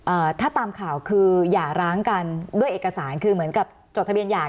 ถ้าตามข่าวคืออย่าร้างกันด้วยเอกสารคือเหมือนกับจดทะเบียนหย่า